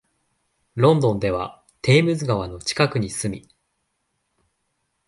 ロンドンではテームズ川の近くに住み、